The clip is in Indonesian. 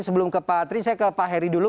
sebelum ke pak tri saya ke pak heri dulu